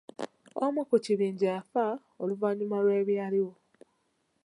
Omu ku kibinja yafa oluvannyuma lw'ebyaliwo.